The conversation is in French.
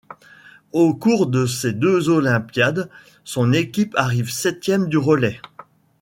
Au cours de ces deux olympiades, son équipe arrive septième du relais.